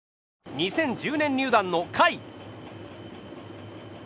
２０１０年入団の甲斐。